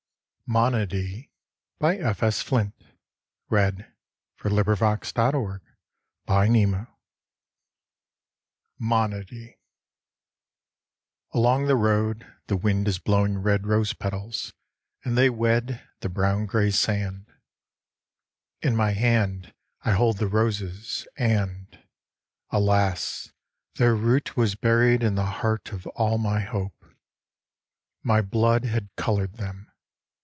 ing foot Of wandering Fate. 16 IN THE NET OF THE STARS Monody ALONG the road the wind is blowing red Rose petals and they wed The brown grey sand. In my hand I hold the roses, and Alas ! their root was buried In the heart Of all my hope. My blood had coloured them.